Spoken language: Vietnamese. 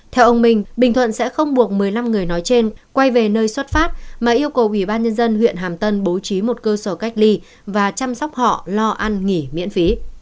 theo ông minh bình thuận sẽ không buộc một mươi năm người nói trên quay về nơi xuất phát mà yêu cầu ủy ban nhân dân huyện hàm tân bố trí một cơ sở cách ly và chăm sóc họ lo ăn nghỉ miễn phí